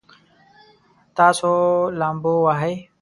تاسو لامبو وهئ؟